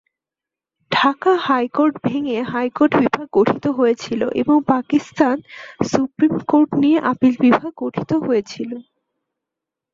Dhaka high court ভেঙে high court বিভাগ গঠিত হয়েছিল এবং পাকিস্তান সুপ্রিম কোর্ট নিয়ে আপীল বিভাগ গঠিত হয়েছিল।